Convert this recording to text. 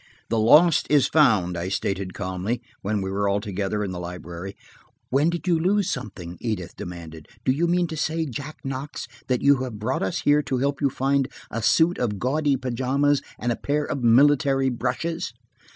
"The lost is found," I stated calmly, when we were all together in the library. "When did you lose anything?" Edith demanded. "Do you mean to say, Jack Knox, that you brought us here to help you find a suit of gaudy pajamas and a pair of military brushes